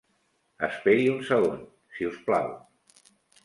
Esperi un segon, si us plau.